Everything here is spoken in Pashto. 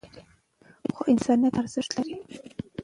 خو انسانیت هم ارزښت لري.